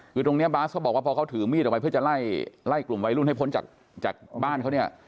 คือตรงนี้บาสเขาบอกว่าพอเขาถือมีดออกไปเพื่อจะไล่กลุ่มวัยรุ่นให้พ้นจากบ้านเขาเนี่ย